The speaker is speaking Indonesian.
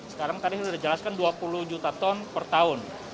sekarang tadi sudah dijelaskan dua puluh juta ton per tahun